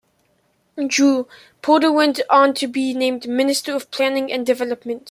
Drew, Porter went on to be named Minister of Planning and Development.